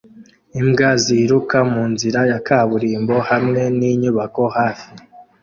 Imbwa ziruka munzira ya kaburimbo hamwe ninyubako hafi